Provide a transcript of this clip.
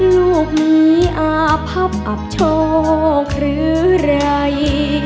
ลูกมีอาพับอับโชคหรือไร